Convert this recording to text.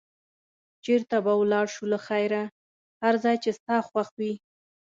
چېرته به ولاړ شو له خیره؟ هر ځای چې ستا خوښ وي.